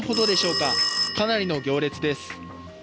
かなりの行列です。